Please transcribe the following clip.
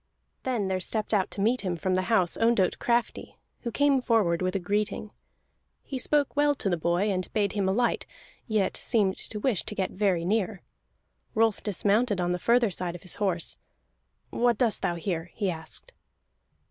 Then there stepped out to meet him from the house Ondott Crafty, who came forward with a greeting. He spoke well to the boy, and bade him alight, yet seemed to wish to get very near. Rolf dismounted on the further side of his horse. "What doest thou here?" he asked.